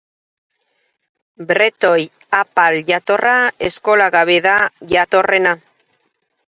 Bretoi apal jatorra eskola gabe da jatorrena.